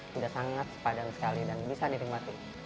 sudah sangat sepadan sekali dan bisa dinikmati